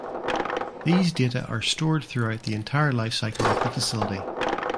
These data are stored throughout the entire life cycle of the facility.